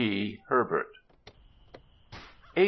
P. HERBERT A.